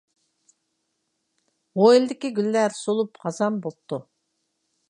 ھويلىدىكى گۈللەر سولۇپ خازان بوپتۇ.